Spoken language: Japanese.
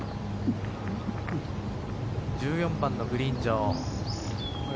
１４番のグリーン上。